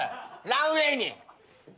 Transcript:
ランウェイに。